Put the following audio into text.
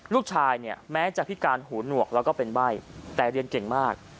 ลูกชายเนี่ยแม้จะพิการหูหนวกแล้วก็เป็นใบ้แต่เรียนเก่งมาก